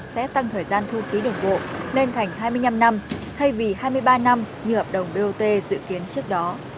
sẽ tăng thời gian thu phí đồng bộ lên thành hai mươi năm năm thay vì hai mươi ba năm như hợp đồng bot dự kiến trước đó